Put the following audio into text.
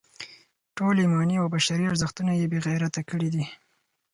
ټول ایماني او بشري ارزښتونه یې بې غیرته کړي دي.